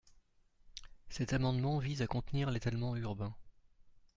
Cet amendement vise à contenir l’étalement urbain.